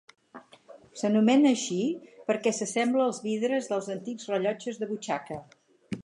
S'anomena així perquè s'assembla als vidres dels antics rellotges de butxaca.